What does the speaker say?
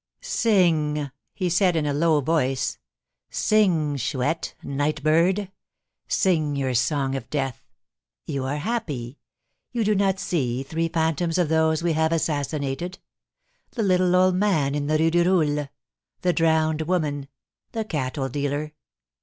"Sing," he said, in a low voice, "sing, Chouette, night bird! Sing your song of death! You are happy; you do not see three phantoms of those we have assassinated, the little old man in the Rue du Roule, the drowned woman, the cattle dealer.